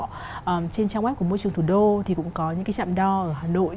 trên trang web của môi trường thủ đô thì cũng có những cái trạm đo ở hà nội